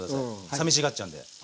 さみしがっちゃうんで。